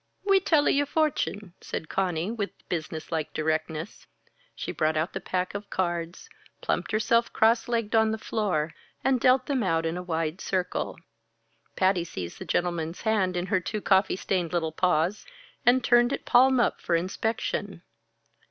"We tell a your fortune," said Conny, with business like directness. She brought out the pack of cards, plumped herself cross legged on the floor, and dealt them out in a wide circle. Patty seized the gentleman's hand in her two coffee stained little paws, and turned it palm up for inspection.